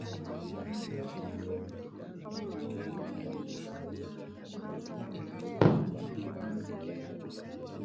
nikiripotia idhaa ya kiswahili ya rfi toka jijini nairobi